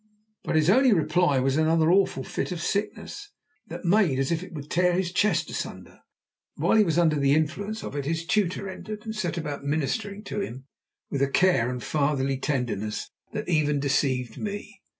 But his only reply was another awful fit of sickness, that made as if it would tear his chest asunder. While he was under the influence of it, his tutor entered, and set about ministering to him with a care and fatherly tenderness that even deceived me.